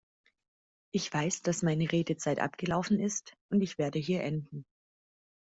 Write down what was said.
Ich weiß, dass meine Redezeit abgelaufen ist und ich werde hier enden.